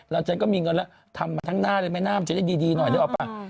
แล้วฉันก็มีเงินแล้วทำมาทั้งหน้าเลยแม่น้ำจะได้ดีหน่อยนึกออกป่ะ